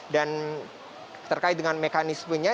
dan terkait dengan mekanismenya